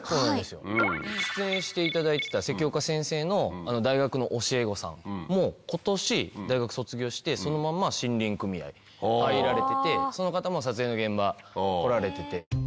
出演していただいてた関岡先生の大学の教え子さんも今年大学卒業してそのまんま森林組合入られててその方も撮影の現場来られてて。